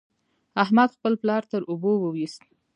احمد خپل پلار تر اوبو وېست.